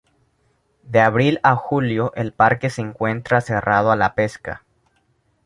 De abril a julio el parque se encuentra cerrado a la pesca.